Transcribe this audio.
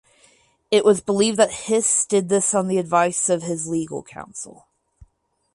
It was believed that Hiss did this on the advice of his legal counsel.